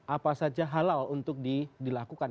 apa saja halal untuk dilakukan